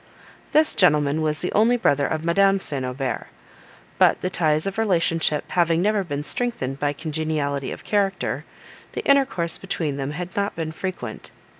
This gentleman was the only brother of Madame St. Aubert; but the ties of relationship having never been strengthened by congeniality of character, the intercourse between them had not been frequent.